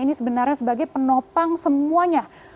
ini sebenarnya sebagai penopang semuanya